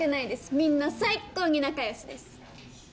みんな最高に仲よしです